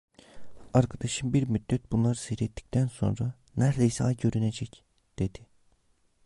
Arkadaşım bir müddet bunları seyrettikten sonra: "Neredeyse ay görünecek!" dedi.